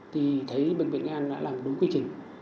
thì thấy bệnh viện nghệ an đã làm đúng quy trình